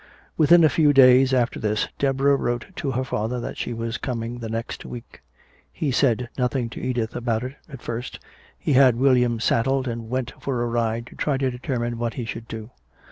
Within a few days after this Deborah wrote to her father that she was coming the next week. He said nothing to Edith about it at first, he had William saddled and went for a ride to try to determine what he should do.